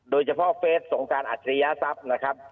โดยเฉพาะเฟสสงการอัจฉริยทรัพย์นะครับ